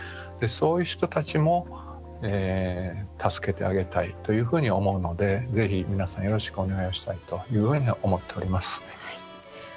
そういう人たちも助けてあげたいというふうに思うので、ぜひ皆さんよろしくお願いしたいというふうに思っております。